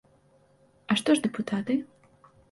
А што ж дэпутаты?